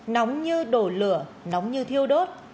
nóng như đổ lửa nóng như thiêu đốt